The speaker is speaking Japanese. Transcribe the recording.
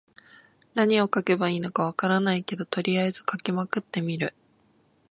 何を書けばいいのか分からないけど、とりあえず書きまくってみる。